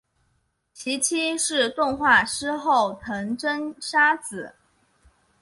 其妻是动画师后藤真砂子。